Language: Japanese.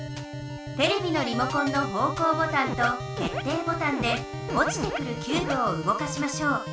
テレビのリモコンの方向ボタンと決定ボタンでおちてくるキューブをうごかしましょう。